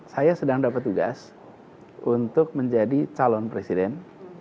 saya sedang dapat tugas untuk menjadi calon presiden